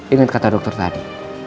ingat kata dokter tadi